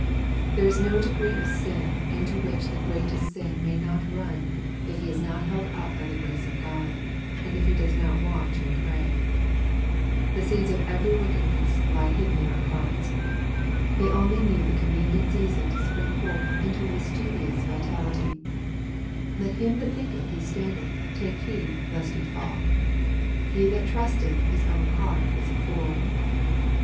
There is no degree of sin into which the greatest saint may not run, if he is not held up by the grace of God, and if he does not watch and pray. The seeds of every wickedness lie 316 EXPOSITORY THOUGHTS. hidden in our hearts. They only need the convenient season to spring forth into a mischievous vitality "Let him that thinketh he standeth take heed lest he fall." " He that trusteth his own heart is a fool."